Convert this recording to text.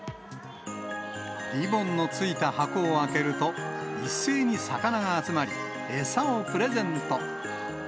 リボンのついた箱を開けると、一斉に魚が集まり、餌をプレゼント。